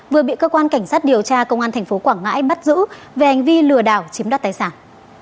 vừa bị cơ quan cảnh sát điều tra công an tp quảng ngãi bắt giữ về hành vi lừa đảo chiếm đoạt tài sản